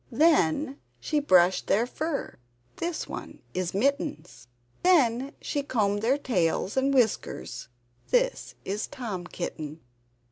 Then she brushed their fur (this one is Mittens). Then she combed their tails and whiskers (this is Tom Kitten).